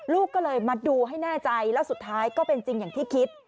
ลูกก็เลยมาดูให้แน่ใจแล้วสุดท้ายก็เป็นจริงอย่างที่คิด